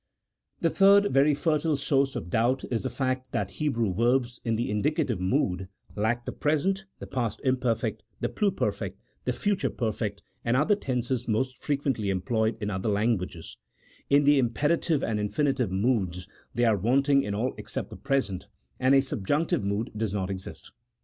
The third very fertile source of doubt is the fact that Hebrew verbs in the indicative mood lack the present, the past imperfect, the pluperfect, the future perfect, and other tenses most frequently employed in other languages ; in the imperative and infinitive moods they are wanting in all ex cept the present, and a subjunctive mood does not exist.